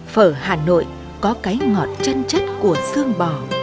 phở hà nội có cái ngọt chân chất của sương bò